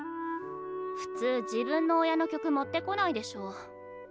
普通自分の親の曲持ってこないでしょ。